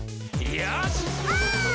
「よし！」